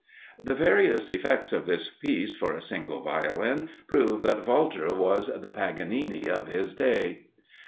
The various effects of this piece for a single Violin prove that Walther was the Paganini of his day.